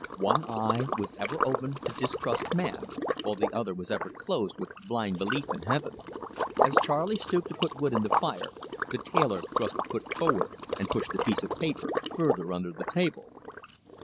One eye was ever open to distrust man, while the other was ever closed with blind belief in Heaven. As Charley stooped to put wood in the fire, the tailor thrust a foot forward and pushed the piece of paper further under the table.